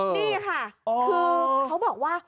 นี่ค่ะคือเขาบอกว่า